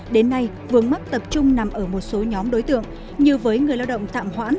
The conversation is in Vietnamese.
đến nay vướng mắt tập trung nằm ở một số nhóm đối tượng như với người lao động tạm hoãn